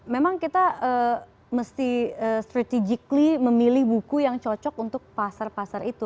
memang kita mesti strategically memilih buku yang cocok untuk pasar pasar itu